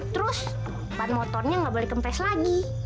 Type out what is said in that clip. terus ban motornya gak boleh kempes lagi